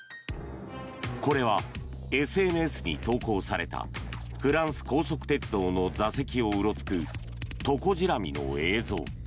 これはＳＮＳに投稿されたフランス高速鉄道の座席をうろつく、トコジラミの映像。